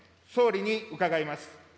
総理に伺います。